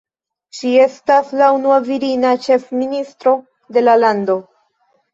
Ŝi estas la unua virina ĉefministro de la lando.